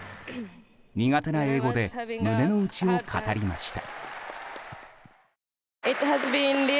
苦手な英語で胸の内を語りました。